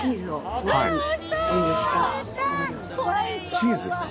チーズですか？